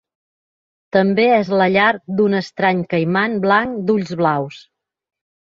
També és la llar d'un estrany caiman blanc d'ulls blaus.